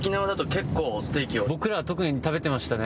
僕らは特に食べてましたね。